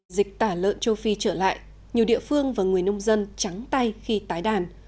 dịch tả lợn châu phi trở lại nhiều địa phương và người nông dân trắng tay khi tái đàn